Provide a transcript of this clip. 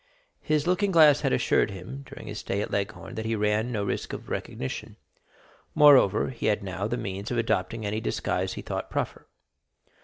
His looking glass had assured him, during his stay at Leghorn, that he ran no risk of recognition; moreover, he had now the means of adopting any disguise he thought proper.